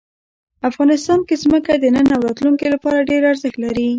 افغانستان کې ځمکه د نن او راتلونکي لپاره ډېر ارزښت لري.